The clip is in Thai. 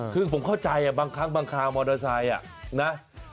คือผมเข้าใจบางครั้งบางคราวมอเตอร์ไซค์นะ